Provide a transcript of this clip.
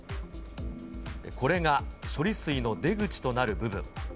これが処理水の出口となる部分。